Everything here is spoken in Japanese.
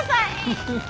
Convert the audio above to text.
フフフ。